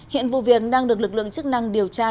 hiện vụ việc đang được lực lượng chức năng điều tra làm